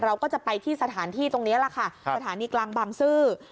เราก็จะไปที่สถานที่ตรงนี้แหละค่ะสถานีกลางบางซื่อ